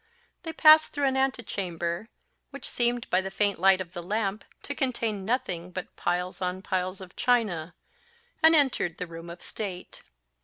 They passed through an antechamber, which seemed, by the faint light of the lamp, to contain nothing but piles on piles of china, and entered the room of state.